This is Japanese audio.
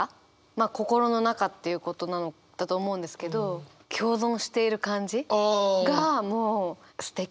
まあ心の中っていうことなんだと思うんですけど共存している感じが